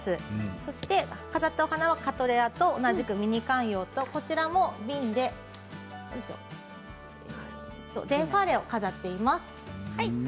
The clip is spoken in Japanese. そして、飾ったお花はカトレアと同じくミニ観葉デンファレを飾っています。